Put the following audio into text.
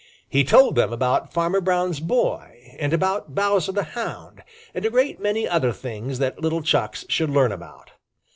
He told them about Farmer Brown's boy and about Bowser the Hound and a great many other things that little Chucks should learn about.